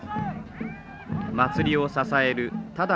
祭りを支えるただ